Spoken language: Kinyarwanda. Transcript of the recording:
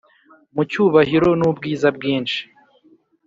Mu cyubahiro n'ubwiza bwinshi,